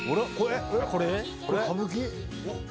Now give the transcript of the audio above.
これ？歌舞伎？